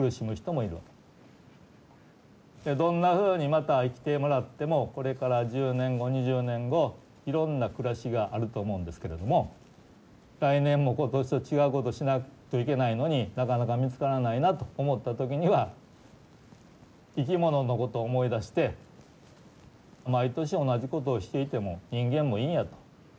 どんなふうにまた生きてもらってもこれから１０年後２０年後いろんな暮らしがあると思うんですけれども来年も今年と違うことしないといけないのになかなか見つからないなと思った時には生き物のことを思い出して毎年同じことをしていても人間もいいんやと。